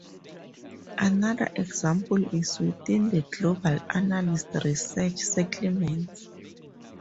Another example is within the Global Analyst Research Settlements.